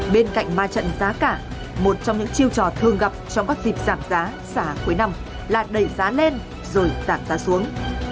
bên cạnh ma trận giá cả một trong những chiêu trò thường gặp trong các dịp giảm giá xả cuối năm là đẩy giá lên rồi giảm giá xuống